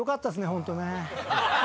ホントね。